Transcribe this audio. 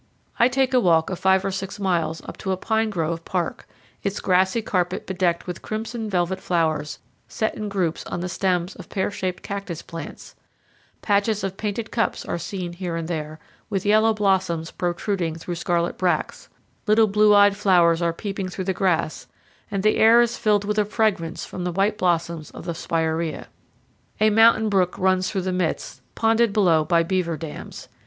I take a walk of five or six miles up to a pine grove park, its grassy carpet bedecked with crimson velvet flowers, set in groups on the stems of pear shaped cactus plants; patches of painted cups are seen here and there, with yellow blossoms protruding through scarlet bracts; little blue eyed flowers are peeping through the grass; and the air is filled with fragrance from the white blossoms of the Spiraea. A mountain brook runs through the midst, ponded below by beaver dams.